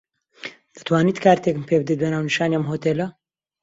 دەتوانیت کارتێکم پێ بدەیت بە ناونیشانی ئەم هۆتێلە.